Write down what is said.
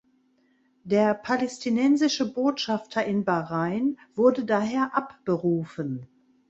Der palästinensische Botschafter in Bahrain wurde daher abberufen.